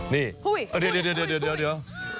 นี่เอาเดี๋ยวโหย